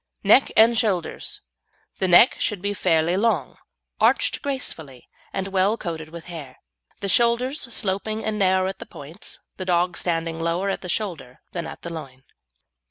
NECK AND SHOULDERS The neck should be fairly long, arched gracefully, and well coated with hair; the shoulders sloping and narrow at the points, the dog standing lower at the shoulder than at the loin.